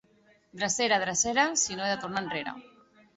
Drecera, drecera, si no he de tornar enrere.